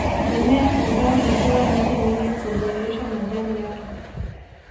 Mimea kadhaa huota miti mingi hudondosha majani yake